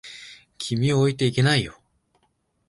君を置いていけないよ。